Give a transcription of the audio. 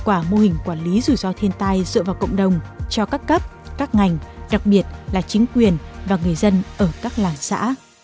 kết quả mô hình quản lý rủi ro thiên tai dựa vào cộng đồng cho các cấp các ngành đặc biệt là chính quyền và người dân ở các làng xã